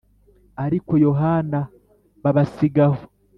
Ariko Yohana b abasiga aho